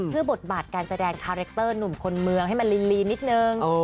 เพื่อบทบาทการแสดงคาแรคเตอร์หนุ่มคนเมืองให้มันลีนิดนึง